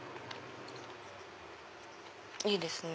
いいですね。